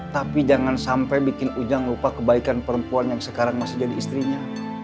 tapi jangan sampai bikin ujang lupa kebaikan perempuan yang sekarang masih jadi istrinya